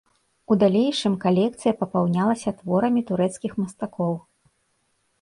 У далейшым калекцыя папаўнялася творамі турэцкіх мастакоў.